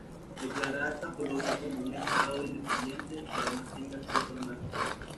Declarar a Polonia como un estado independiente, que además tenga acceso al mar.